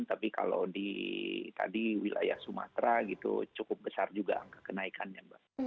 tapi kalau di tadi wilayah sumatera gitu cukup besar juga angka kenaikannya mbak